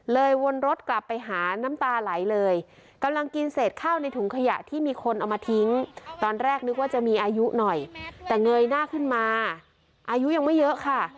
วนรถกลับไปหาน้ำตาไหลเลยกำลังกินเศษข้าวในถุงขยะที่มีคนเอามาทิ้งตอนแรกนึกว่าจะมีอายุหน่อยแต่เงยหน้าขึ้นมาอายุยังไม่เยอะค่ะ